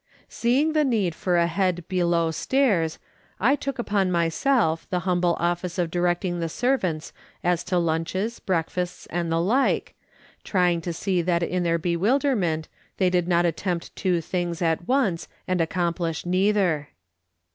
Seeing the need for a head below stairs, I took upon myself the humble office of directing the servants as to lunches, breakfasts, and the like, trying to see that in their bewilderment they did not attempt two things at once, and accomplish neither.